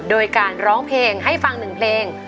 โดยการร้องเพลงให้ฟังหนึ่งเพลง